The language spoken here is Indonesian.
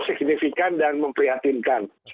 signifikan dan memprihatinkan